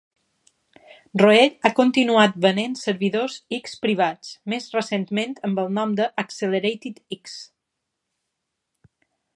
Roell ha continuat venent servidors X privats, més recentment amb el nom de "Accelerated-X".